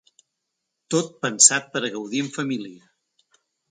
Tot pensat per a gaudir amb família.